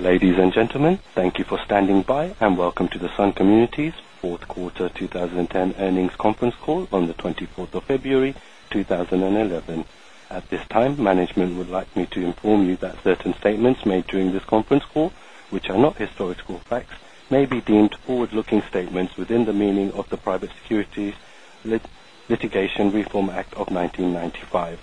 Ladies and gentlemen, thank you for standing by, and welcome to the Sun Communities Fourth Quarter 2010 earnings conference call on the 24th of February, 2011. At this time, management would like me to inform you that certain statements made during this conference call, which are not historical facts, may be deemed forward-looking statements within the meaning of the Private Securities Litigation Reform Act of 1995.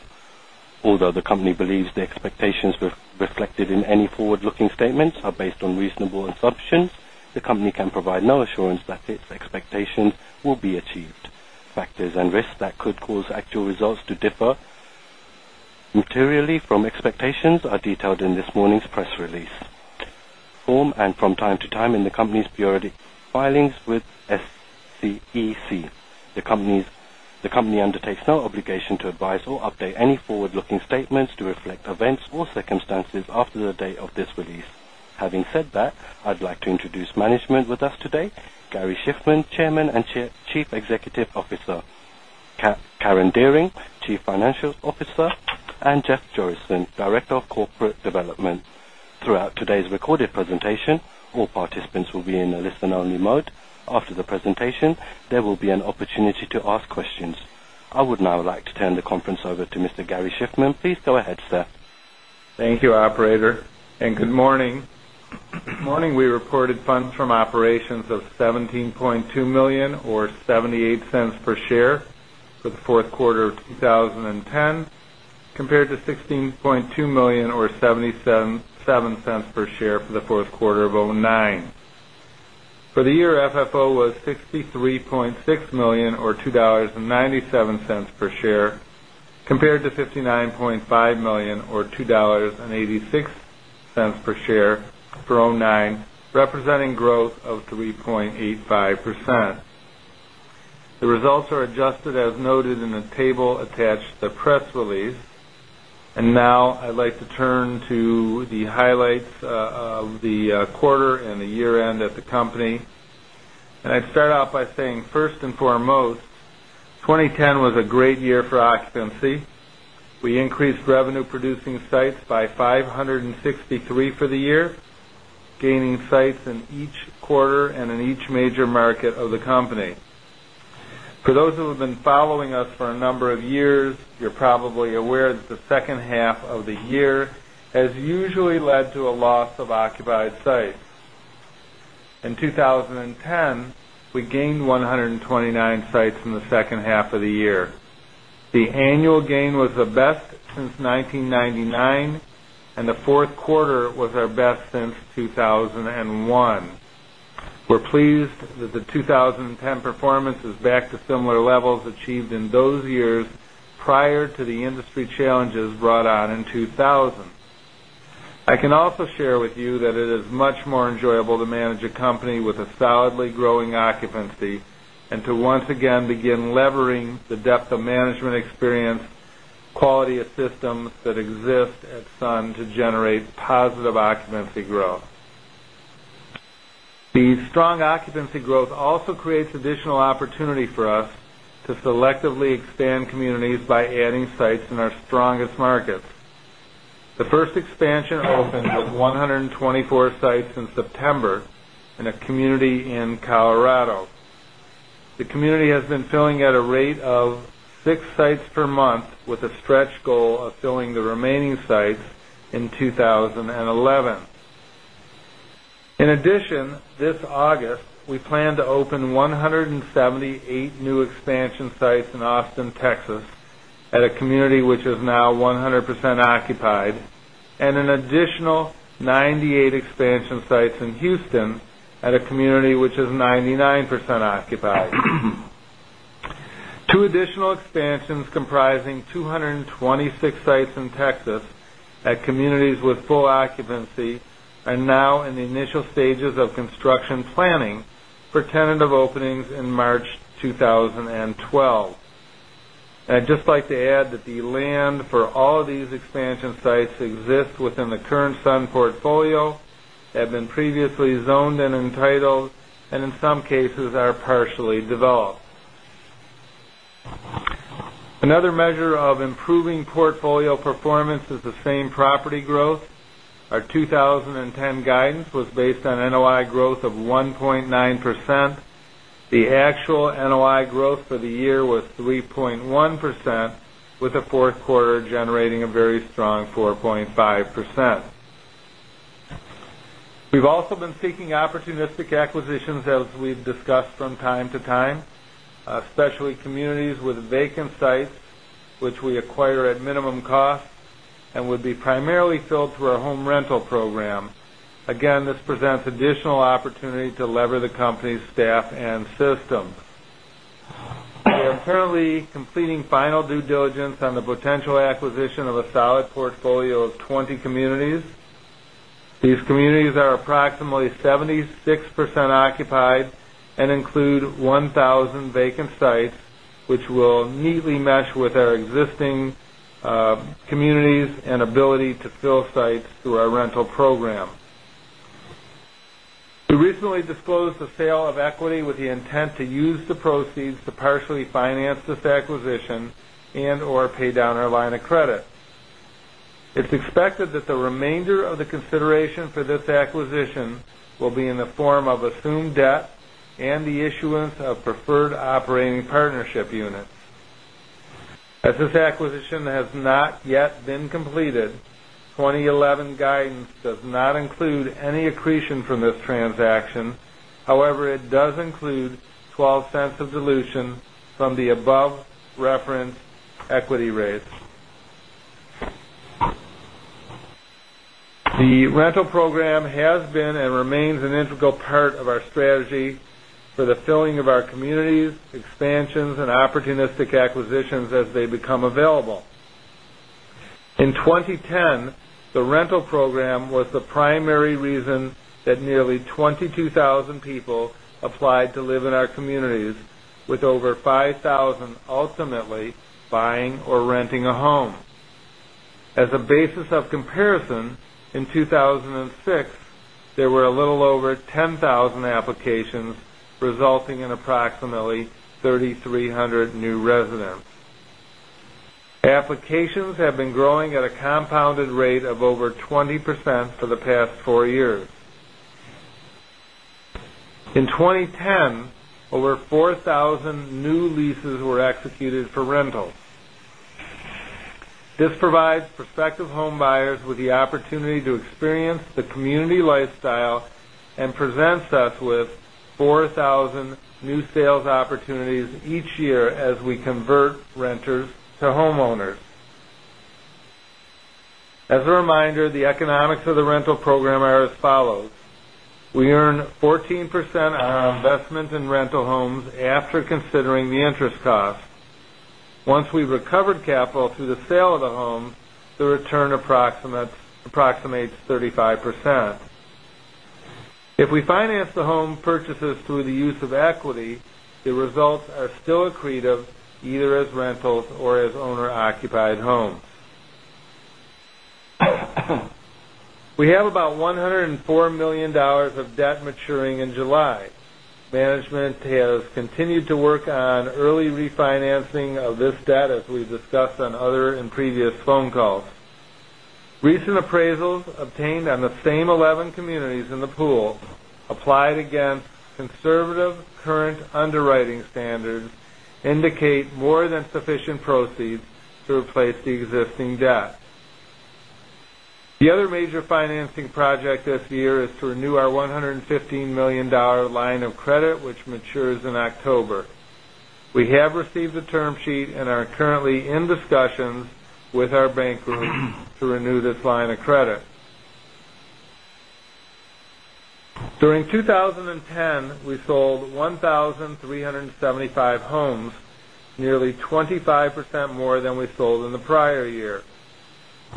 Although the company believes the expectations reflected in any forward-looking statements are based on reasonable assumptions, the company can provide no assurance that its expectations will be achieved. Factors and risks that could cause actual results to differ materially from expectations are detailed in this morning's press release. Form and from time to time in the company's periodic filings with SEC. The company undertakes no obligation to advise or update any forward-looking statements to reflect events or circumstances after the date of this release. Having said that, I'd like to introduce management with us today, Gary Shiffman, Chairman and Chief Executive Officer, Karen Dearing, Chief Financial Officer, and Jeff Jorissen, Director of Corporate Development. Throughout today's recorded presentation, all participants will be in a listen-only mode. After the presentation, there will be an opportunity to ask questions. I would now like to turn the conference over to Mr. Gary Shiffman. Please go ahead, sir. Thank you, operator, and good morning. Morning, we reported funds from operations of $17.2 million, or $0.78 per share for the fourth quarter of 2010, compared to $16.2 million or $0.77 per share for the fourth quarter of 2009. For the year, FFO was $63.6 million, or $2.97 per share, compared to $59.5 million or $2.86 per share for 2009, representing growth of 3.85%. The results are adjusted, as noted in a table attached to the press release. And now I'd like to turn to the highlights, of the, quarter and the year-end at the company. And I'd start out by saying, first and foremost, 2010 was a great year for occupancy. We increased revenue-producing sites by 563 for the year, gaining sites in each quarter and in each major market of the company. For those who have been following us for a number of years, you're probably aware that the second half of the year has usually led to a loss of occupied sites. In 2010, we gained 129 sites in the second half of the year. The annual gain was the best since 1999, and the fourth quarter was our best since 2001. We're pleased that the 2010 performance is back to similar levels achieved in those years prior to the industry challenges brought on in 2000. I can also share with you that it is much more enjoyable to manage a company with a solidly growing occupancy and to once again begin levering the depth of management experience, quality of systems that exist at Sun to generate positive occupancy growth. The strong occupancy growth also creates additional opportunity for us to selectively expand communities by adding sites in our strongest markets. The first expansion opened with 124 sites in September in a community in Colorado. The community has been filling at a rate of six sites per month, with a stretch goal of filling the remaining sites in 2011. In addition, this August, we plan to open 178 new expansion sites in Austin, Texas, at a community which is now 100% occupied, and an additional 98 expansion sites in Houston at a community which is 99% occupied. Two additional expansions, comprising 226 sites in Texas at communities with full occupancy, are now in the initial stages of construction planning for tentative openings in March 2012. And I'd just like to add that the land for all of these expansion sites exist within the current Sun portfolio, have been previously zoned and entitled, and in some cases are partially developed. Another measure of improving portfolio performance is the same property growth. Our 2010 guidance was based on NOI growth of 1.9%. The actual NOI growth for the year was 3.1%, with the fourth quarter generating a very strong 4.5%. We've also been seeking opportunistic acquisitions, as we've discussed from time to time, especially communities with vacant sites, which we acquire at minimum cost and would be primarily filled through our home rental program. Again, this presents additional opportunity to lever the company's staff and systems. We are currently completing final due diligence on the potential acquisition of a solid portfolio of 20 communities. These communities are approximately 76% occupied and include 1,000 vacant sites, which will neatly mesh with our existing communities and ability to fill sites through our rental program.... We originally disclosed the sale of equity with the intent to use the proceeds to partially finance this acquisition and/or pay down our line of credit. It's expected that the remainder of the consideration for this acquisition will be in the form of assumed debt and the issuance of preferred operating partnership units. As this acquisition has not yet been completed, 2011 guidance does not include any accretion from this transaction. However, it does include $0.12 of dilution from the above-referenced equity raise. The rental program has been and remains an integral part of our strategy for the filling of our communities, expansions, and opportunistic acquisitions as they become available. In 2010, the rental program was the primary reason that nearly 22,000 people applied to live in our communities, with over 5,000 ultimately buying or renting a home. As a basis of comparison, in 2006, there were a little over 10,000 applications, resulting in approximately 3,300 new residents. Applications have been growing at a compounded rate of over 20% for the past 4 years. In 2010, over 4,000 new leases were executed for rentals. This provides prospective homebuyers with the opportunity to experience the community lifestyle and presents us with 4,000 new sales opportunities each year as we convert renters to homeowners. As a reminder, the economics of the rental program are as follows: We earn 14% on our investment in rental homes after considering the interest cost. Once we've recovered capital through the sale of the home, the return approximates, approximates 35%. If we finance the home purchases through the use of equity, the results are still accretive, either as rentals or as owner-occupied homes. We have about $104 million of debt maturing in July. Management has continued to work on early refinancing of this debt, as we've discussed on other and previous phone calls. Recent appraisals obtained on the same 11 communities in the pool applied against conservative current underwriting standards indicate more than sufficient proceeds to replace the existing debt. The other major financing project this year is to renew our $115 million line of credit, which matures in October. We have received the term sheet and are currently in discussions with our bank group to renew this line of credit. During 2010, we sold 1,375 homes, nearly 25% more than we sold in the prior year.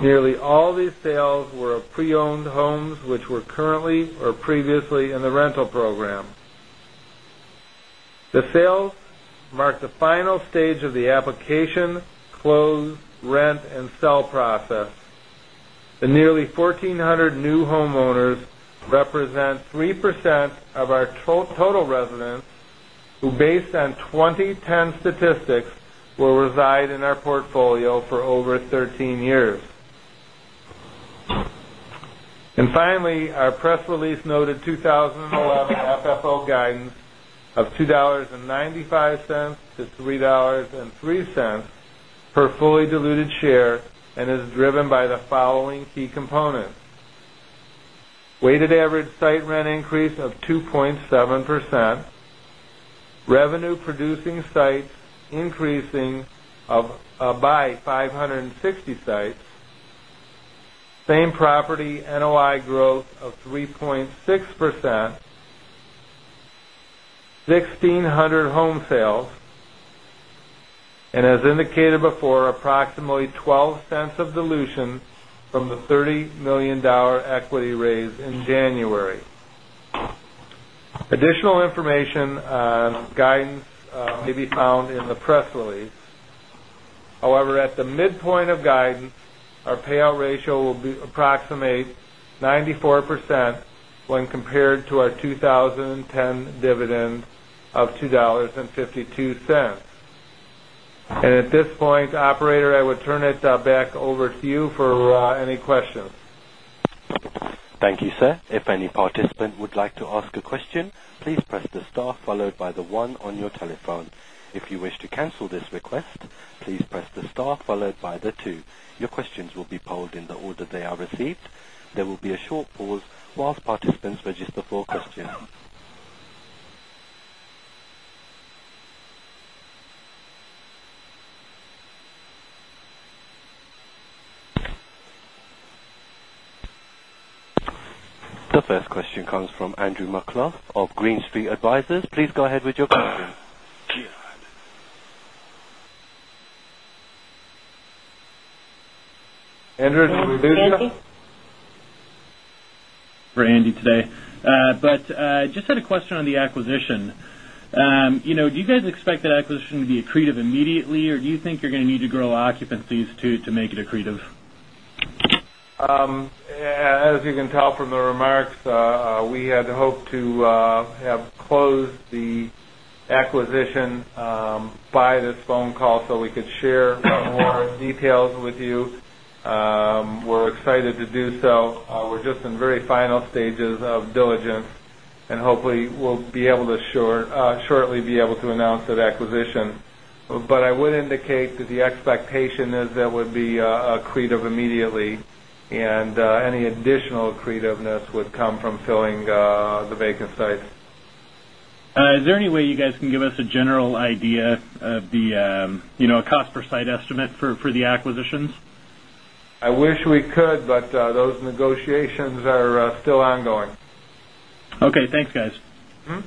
Nearly all these sales were of pre-owned homes, which were currently or previously in the rental program. The sales marked the final stage of the application, close, rent, and sell process. The nearly 1,400 new homeowners represent 3% of our total residents, who, based on 2010 statistics, will reside in our portfolio for over 13 years. Finally, our press release noted 2011 FFO guidance of $2.95-$3.03 per fully diluted share and is driven by the following key components: weighted average site rent increase of 2.7%, revenue-producing sites increasing by 560 sites, same property NOI growth of 3.6%, 1,600 home sales, and as indicated before, approximately $0.12 of dilution from the $30 million equity raise in January. Additional information on guidance may be found in the press release. However, at the midpoint of guidance, our payout ratio will be approximate 94% when compared to our 2010 dividend of $2.52. At this point, operator, I would turn it back over to you for any questions. Thank you, sir. If any participant would like to ask a question, please press the star followed by the 1 on your telephone. If you wish to cancel this request, please press the star followed by the 2. Your questions will be polled in the order they are received. There will be a short pause while participants register for questions. The first question comes from Andrew McCulloch of Green Street Advisors. Please go ahead with your question. Andrew, can you hear me? For Andy today. But just had a question on the acquisition. You know, do you guys expect that acquisition to be accretive immediately, or do you think you're gonna need to grow occupancies, too, to make it accretive? ...As you can tell from the remarks, we had hoped to have closed the acquisition by this phone call, so we could share more details with you. We're excited to do so. We're just in very final stages of diligence, and hopefully we'll be able to shortly be able to announce that acquisition. But I would indicate that the expectation is there would be accretive immediately, and any additional accretiveness would come from filling the vacant sites. Is there any way you guys can give us a general idea of the, you know, cost per site estimate for the acquisitions? I wish we could, but those negotiations are still ongoing. Okay, thanks, guys. Mm-hmm.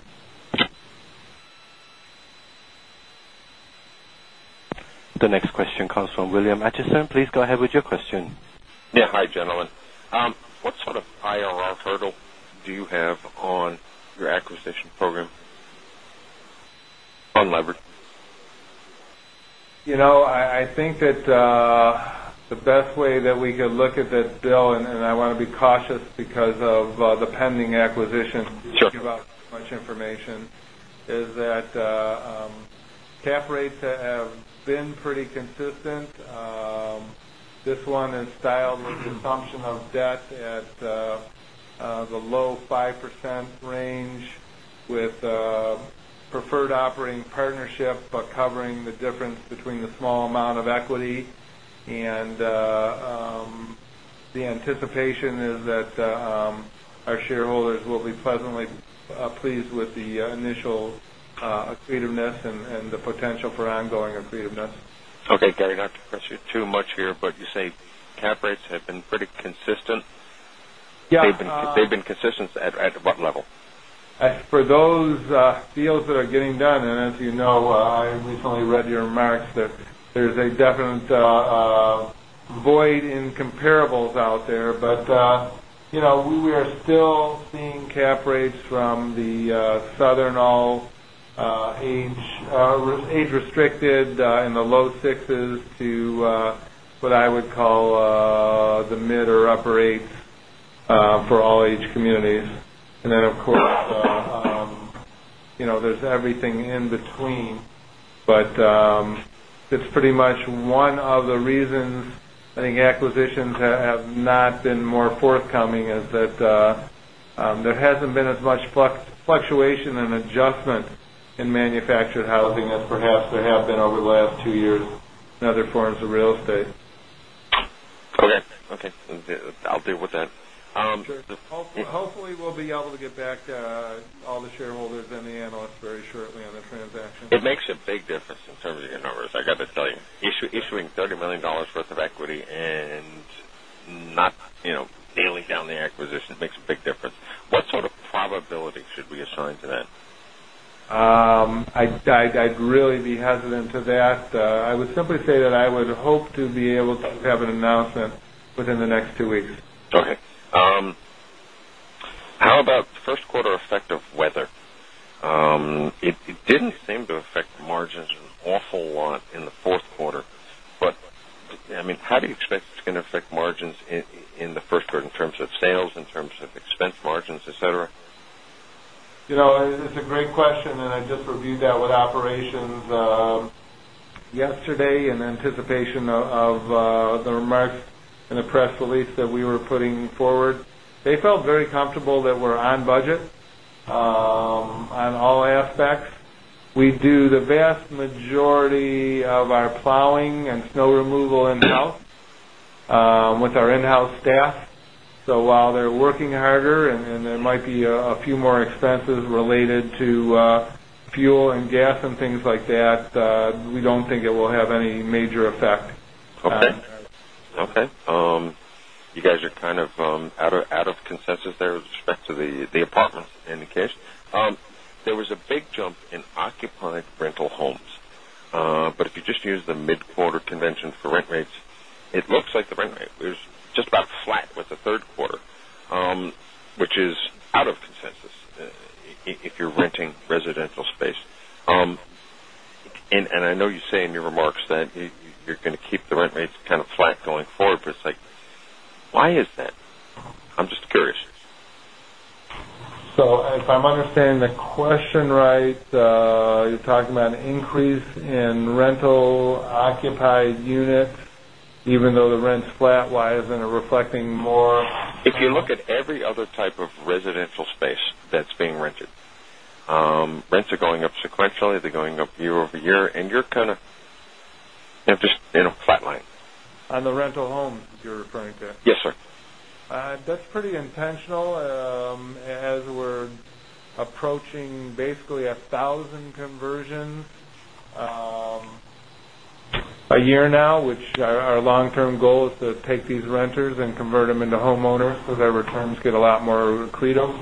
The next question comes from William Acheson. Please go ahead with your question. Yeah. Hi, gentlemen. What sort of IRR hurdle do you have on your acquisition program? On leverage. You know, I think that the best way that we could look at that, Bill, and I want to be cautious because of the pending acquisition- Sure. -give out much information, is that, cap rates have been pretty consistent. This one is styled with assumption of debt at, the low 5% range, with, preferred operating partnership, but covering the difference between the small amount of equity and, the anticipation is that, our shareholders will be pleasantly, pleased with the, initial, accretiveness and, and the potential for ongoing accretiveness. Okay, Gary, not to press you too much here, but you say cap rates have been pretty consistent. Yeah, uh- They've been consistent at what level? As for those deals that are getting done, and as you know, I recently read your remarks that there's a definite void in comparables out there. But, you know, we are still seeing cap rates from the 55+ age-restricted in the low 6s to what I would call the mid- or upper 8s for all-age communities. And then, of course, you know, there's everything in between. But, that's pretty much one of the reasons I think acquisitions have not been more forthcoming, is that there hasn't been as much fluctuation and adjustment in manufactured housing as perhaps there have been over the last two years in other forms of real estate. Okay. Okay. I'll deal with that. Sure. Hopefully, we'll be able to get back to all the shareholders and the analysts very shortly on the transaction. It makes a big difference in terms of your numbers. I got to tell you. Issuing $30 million worth of equity and not, you know, paying down the acquisition makes a big difference. What sort of probability should we assign to that? I'd really be hesitant to that. I would simply say that I would hope to be able to have an announcement within the next two weeks. Okay. How about first quarter effect of weather? It didn't seem to affect the margins an awful lot in the fourth quarter, but, I mean, how do you expect it's going to affect margins in the first quarter in terms of sales, in terms of expense margins, et cetera? You know, it's a great question, and I just reviewed that with operations yesterday in anticipation of the remarks in the press release that we were putting forward. They felt very comfortable that we're on budget on all aspects. We do the vast majority of our plowing and snow removal in-house with our in-house staff. So while they're working harder and there might be a few more expenses related to fuel and gas and things like that, we don't think it will have any major effect. Okay. Okay. You guys are kind of out of consensus there with respect to the apartments indication. There was a big jump in occupied rental homes. But if you just use the mid-quarter convention for rent rates, it looks like the rent rate is just about flat with the third quarter, which is out of consensus if you're renting residential space. And I know you say in your remarks that you're going to keep the rent rates kind of flat going forward, but it's like, why is that? I'm just curious. So if I'm understanding the question right, you're talking about an increase in rental occupied units, even though the rent's flat, why isn't it reflecting more? If you look at every other type of residential space that's being rented, rents are going up sequentially. They're going up year-over-year, and you're kind of, you know, just, you know, flatlining. On the rental homes, you're referring to? Yes, sir. That's pretty intentional. As we're approaching basically 1,000 conversions a year now, which our long-term goal is to take these renters and convert them into homeowners, so their returns get a lot more accretive.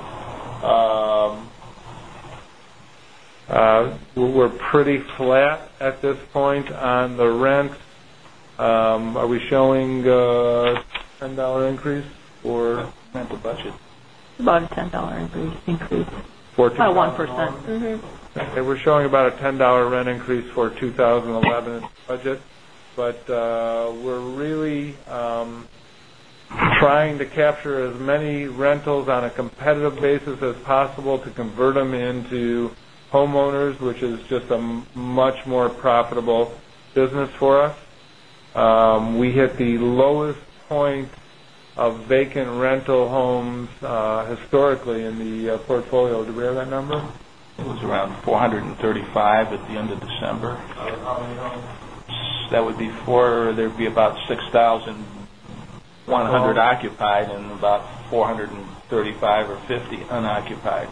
We're pretty flat at this point on the rent. Are we showing a $10 increase or? Mental budget. ...About a $10 increase. Fourteen. About 1%. Mm-hmm. We're showing about a $10 rent increase for 2011 budget. But, we're really trying to capture as many rentals on a competitive basis as possible to convert them into homeowners, which is just a much more profitable business for us. We hit the lowest point of vacant rental homes, historically in the portfolio. Do we have that number? It was around 435 at the end of December. Out of how many homes? That would be 4... There'd be about 6,100 occupied and about 435 or 50 unoccupied.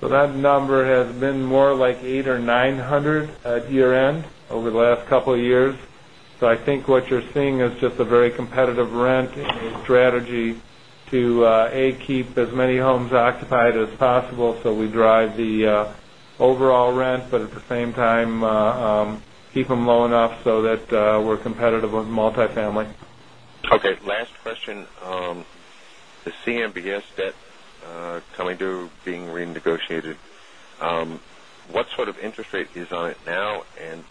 So that number has been more like 800-900 at year-end over the last couple of years. So I think what you're seeing is just a very competitive rent and a strategy to keep as many homes occupied as possible, so we drive the overall rent, but at the same time keep them low enough so that we're competitive with multifamily. Okay, last question. The CMBS debt coming to being renegotiated, what sort of interest rate is on it now, and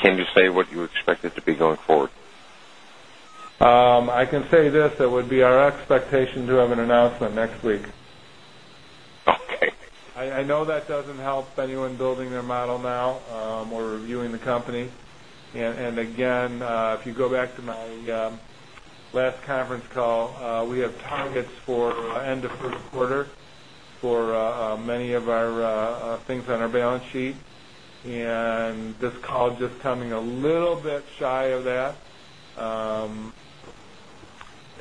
can you say what you expect it to be going forward? I can say this: It would be our expectation to have an announcement next week. Okay. I, I know that doesn't help anyone building their model now, or reviewing the company. And, and again, if you go back to my last conference call, we have targets for end of first quarter for many of our things on our balance sheet. And this call just coming a little bit shy of that.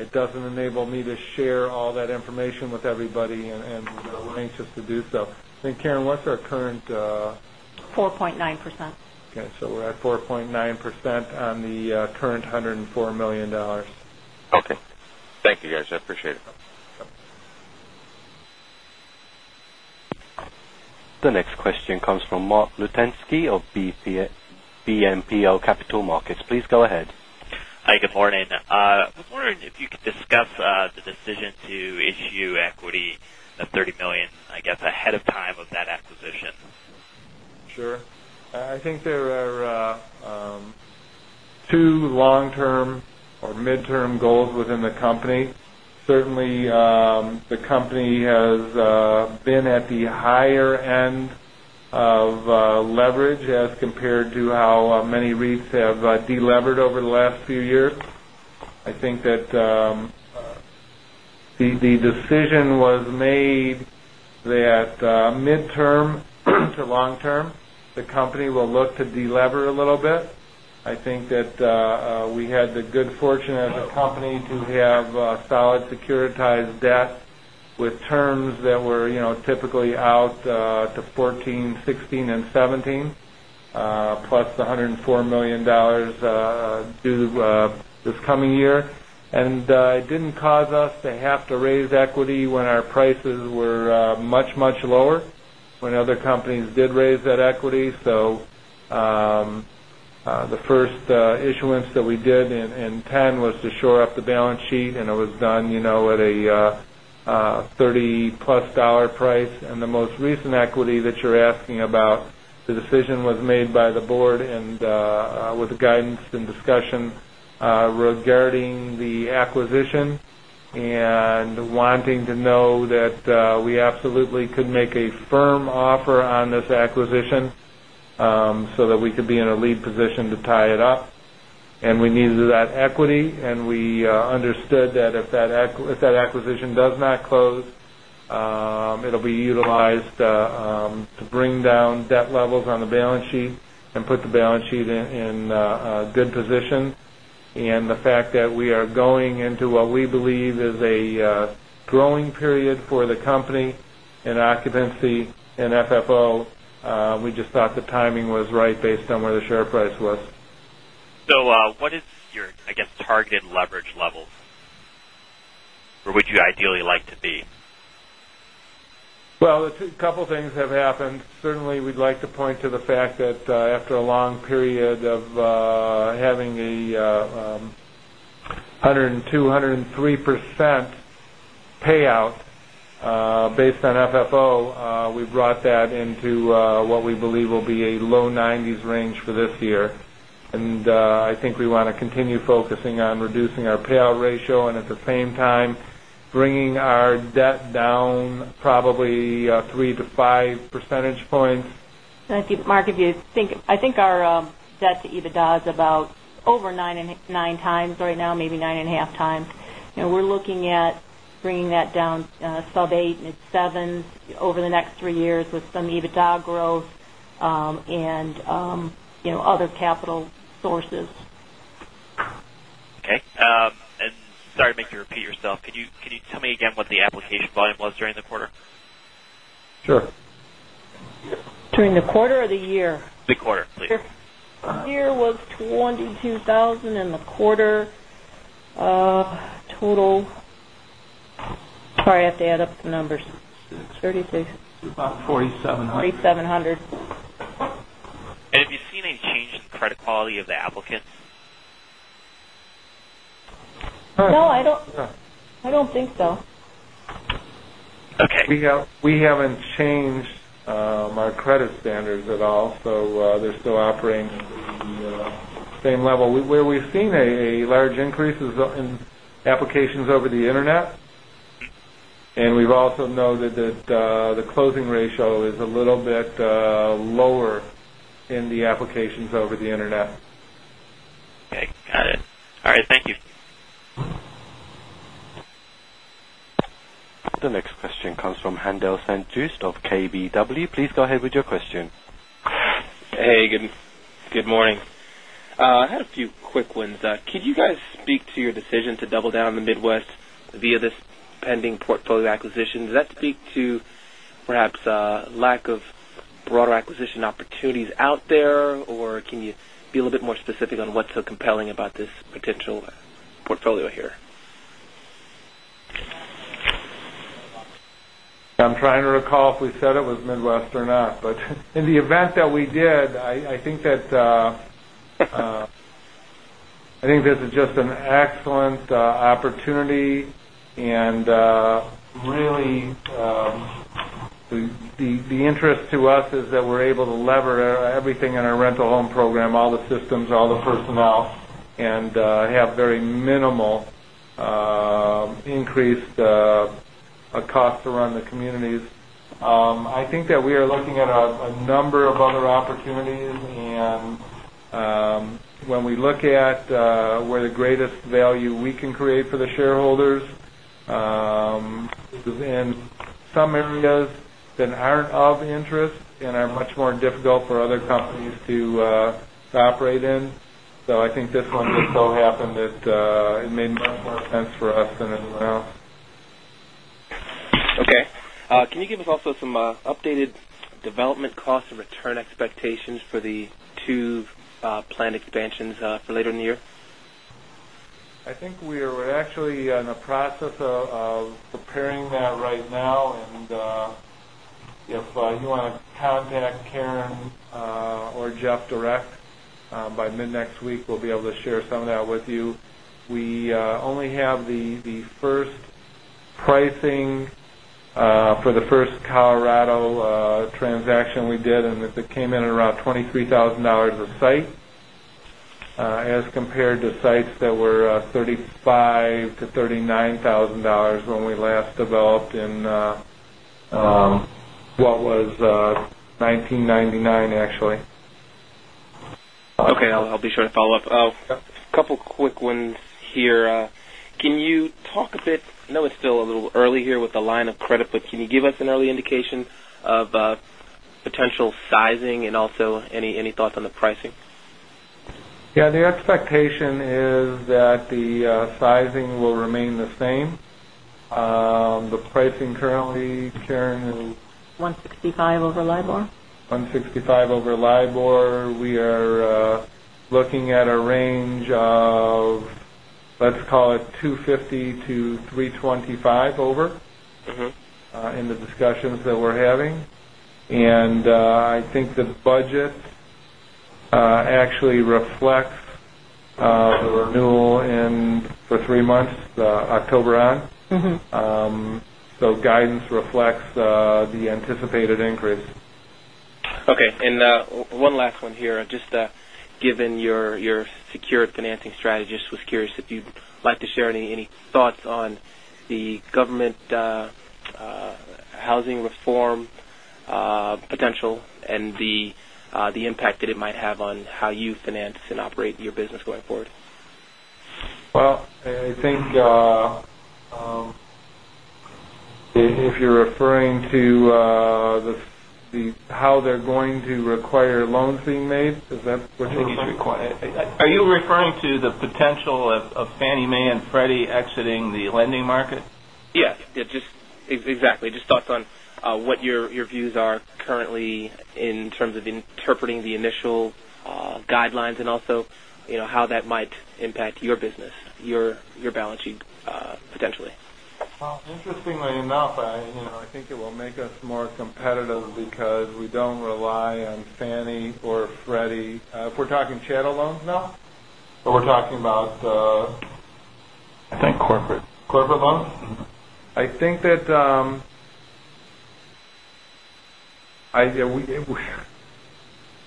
It doesn't enable me to share all that information with everybody, and, and we're anxious to do so. I think, Karen, what's our current, 4.9%. Okay, so we're at 4.9% on the current $104 million. Okay. Thank you, guys. I appreciate it. The next question comes from Mark Lutenski of BMO Capital Markets. Please go ahead. Hi, good morning. I was wondering if you could discuss the decision to issue equity of $30 million, I guess, ahead of time of that acquisition. Sure. I think there are two long-term or midterm goals within the company. Certainly, the company has been at the higher end of leverage as compared to how many REITs have delevered over the last few years. I think that the decision was made that midterm to long term, the company will look to delever a little bit. I think that we had the good fortune as a company to have solid securitized debt with terms that were, you know, typically out to 14, 16 and 17, plus the $104 million due this coming year. And it didn't cause us to have to raise equity when our prices were much, much lower, when other companies did raise that equity. So, the first issuance that we did in 2010 was to shore up the balance sheet, and it was done, you know, at a $30-plus price. The most recent equity that you're asking about, the decision was made by the board and, with the guidance and discussion, regarding the acquisition and wanting to know that we absolutely could make a firm offer on this acquisition, so that we could be in a lead position to tie it up. We needed that equity, and we understood that if that acquisition does not close, it'll be utilized to bring down debt levels on the balance sheet and put the balance sheet in a good position. The fact that we are going into what we believe is a growing period for the company and occupancy in FFO, we just thought the timing was right based on where the share price was. So, what is your, I guess, target leverage level, or would you ideally like to be? Well, a couple things have happened. Certainly, we'd like to point to the fact that, after a long period of, having a 102, 103% payout, based on FFO, we've brought that into, what we believe will be a low 90s range for this year. And, I think we want to continue focusing on reducing our payout ratio and at the same time, bringing our debt down probably, 3-5 percentage points. I think, Mark, if you think, I think our debt to EBITDA is about over 9 and 9 times right now, maybe 9.5 times. We're looking at bringing that down sub 8 and at 7 over the next 3 years with some EBITDA growth, and you know, other capital sources. Okay. Sorry to make you repeat yourself. Could you, could you tell me again what the application volume was during the quarter? Sure. During the quarter or the year? The quarter, please. The year was 22,000, and the quarter total... Sorry, I have to add up the numbers. 36. About 4,700. Forty-seven hundred. Have you seen any change in the credit quality of the applicants? ...No, I don't, I don't think so. Okay. We haven't changed our credit standards at all, so they're still operating at the same level. Where we've seen a large increase is in applications over the internet. And we've also noted that the closing ratio is a little bit lower in the applications over the internet. Okay, got it. All right, thank you. The next question comes from Haendel St. Juste of KBW. Please go ahead with your question. Hey, good, good morning. I had a few quick ones. Could you guys speak to your decision to double down in the Midwest via this pending portfolio acquisition? Does that speak to perhaps, lack of broader acquisition opportunities out there, or can you be a little bit more specific on what's so compelling about this potential portfolio here? I'm trying to recall if we said it was Midwest or not, but in the event that we did, I think that this is just an excellent opportunity. And really, the interest to us is that we're able to leverage everything in our rental home program, all the systems, all the personnel, and have very minimal increased cost to run the communities. I think that we are looking at a number of other opportunities, and when we look at where the greatest value we can create for the shareholders is in some areas that aren't of interest and are much more difficult for other companies to operate in. So I think this one just so happened that it made much more sense for us than anyone else. Okay. Can you give us also some updated development costs and return expectations for the two planned expansions for later in the year? I think we are actually in the process of preparing that right now. And if you want to contact Karen or Jeff direct by mid-next week, we'll be able to share some of that with you. We only have the first pricing for the first Colorado transaction we did, and it came in at around $23,000 a site as compared to sites that were $35,000-$39,000 when we last developed in what was 1999, actually. Okay, I'll be sure to follow up. Yeah. Couple quick ones here. Can you talk a bit. I know it's still a little early here with the line of credit, but can you give us an early indication of potential sizing and also any, any thoughts on the pricing? Yeah, the expectation is that the sizing will remain the same. The pricing currently, Karen, is- 165 over LIBOR. 165 over LIBOR. We are looking at a range of, let's call it 250-325 over- Mm-hmm... in the discussions that we're having. And, I think the budget, actually reflects, the renewal in for three months, October on. Mm-hmm. So guidance reflects the anticipated increase. Okay. And one last one here. Just, given your secure financing strategist, was curious if you'd like to share any thoughts on the government housing reform potential and the impact that it might have on how you finance and operate your business going forward? Well, I think, if you're referring to the how they're going to require loans being made, is that what you're referring? Are you referring to the potential of Fannie Mae and Freddie Mac exiting the lending market? Yeah, yeah, just exactly. Just thoughts on what your views are currently in terms of interpreting the initial guidelines and also, you know, how that might impact your business, your balance sheet, potentially? Well, interestingly enough, I, you know, I think it will make us more competitive because we don't rely on Fannie or Freddie. If we're talking chattel loans, now? Or we're talking about, I think corporate. Corporate loans? Mm-hmm. I think that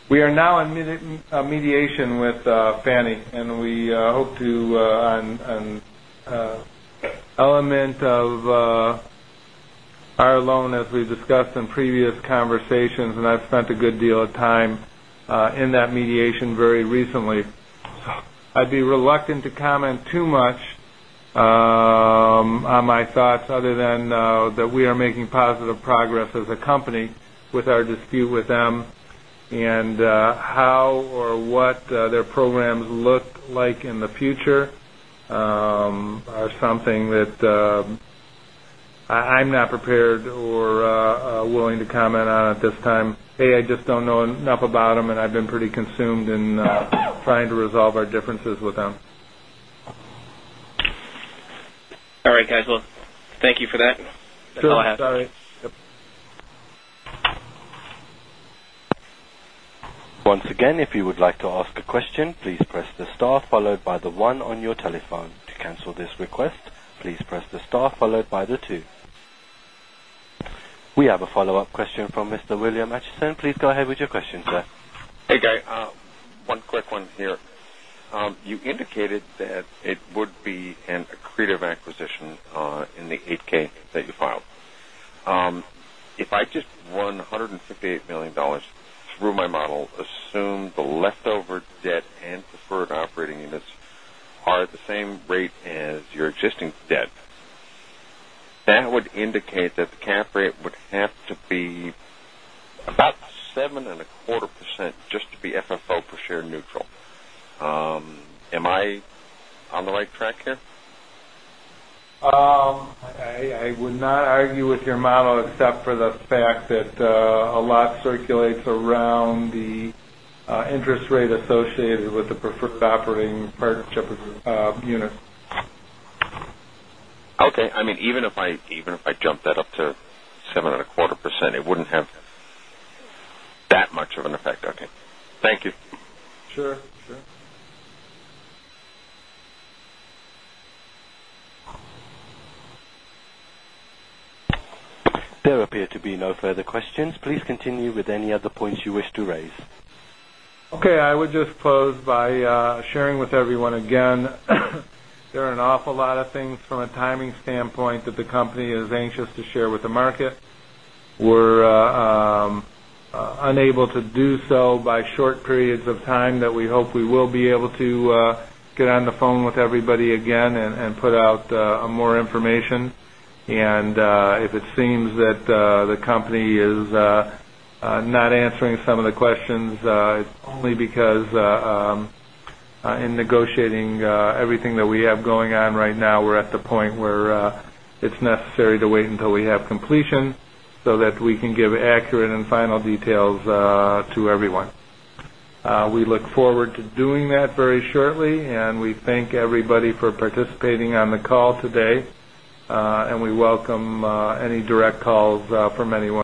we are now in mediation with Fannie, and we hope to amend an element of our loan, as we've discussed in previous conversations, and I've spent a good deal of time in that mediation very recently. I'd be reluctant to comment too much on my thoughts, other than that we are making positive progress as a company with our dispute with them. And how or what their programs look like in the future are something that I'm not prepared or willing to comment on at this time. I just don't know enough about them, and I've been pretty consumed in trying to resolve our differences with them. All right, guys. Well, thank you for that. Sure. That's all I have. Sorry. Yep. ...Once again, if you would like to ask a question, please press the star followed by the one on your telephone. To cancel this request, please press the star followed by the two. We have a follow-up question from Mr. William Acheson. Please go ahead with your question, sir. Hey, guy, one quick one here. You indicated that it would be an accretive acquisition in the 8-K that you filed. If I just run $158 million through my model, assume the leftover debt and preferred operating units are the same rate as your existing debt, that would indicate that the cap rate would have to be about 7.25% just to be FFO per share neutral. Am I on the right track here? I would not argue with your model, except for the fact that a lot circulates around the interest rate associated with the preferred operating partnership unit. Okay. I mean, even if I jump that up to 7.25%, it wouldn't have that much of an effect. Okay. Thank you. Sure. Sure. There appear to be no further questions. Please continue with any other points you wish to raise. Okay. I would just close by sharing with everyone again. There are an awful lot of things from a timing standpoint that the company is anxious to share with the market. We're unable to do so by short periods of time that we hope we will be able to get on the phone with everybody again and put out more information. And if it seems that the company is not answering some of the questions, it's only because in negotiating everything that we have going on right now, we're at the point where it's necessary to wait until we have completion so that we can give accurate and final details to everyone. We look forward to doing that very shortly, and we thank everybody for participating on the call today. We welcome any direct calls from anyone.